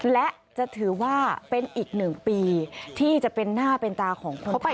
และจะถือว่าเป็นอีกหนึ่งปีที่จะเป็นหน้าเป็นตาของคนไทย